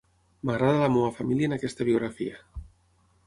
M'agrada la meva família en aquesta biografia.